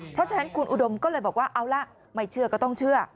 เพราะฉะนั้นคุณอุดมก็เลยบอกว่าเอาล่ะไม่เชื่อก็ต้องเชื่อ